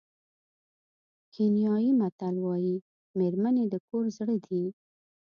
کینیايي متل وایي مېرمنې د کور زړه دي.